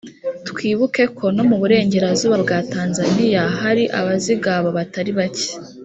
twibuke ko no mu burengerazuba bwa tanzaniya hari abazigaba batari bake